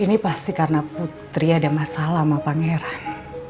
ini pasti karena putri ada masalah sama pangeran